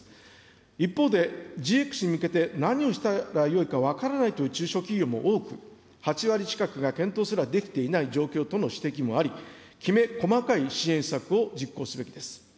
一方でＧＸに向けて何をしたらよいか分からないという中小企業も多く、８割近くが検討すらできていない状況との指摘もあり、きめ細かい支援策を実行すべきです。